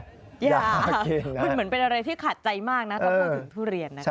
เหมือนเป็นอะไรที่ขาดใจมากนะครับถึงทุเรียน